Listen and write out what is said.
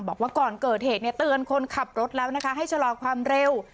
บอกว่าก่อนเกิดเหตุเนี่ยเตือนคนขับรถแล้วนะคะให้ชะลอความเร็ว